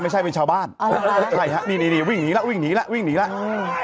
ฝ่ายเป็นชาวบ้านนี่วิ่งหนีแล้ววิ่งหนีแล้ววิ่งหนีแล้ว